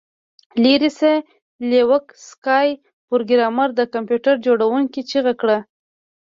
لیرې شه لیوک سکای پروګرامر د کمپیوټر جوړونکي چیغه کړه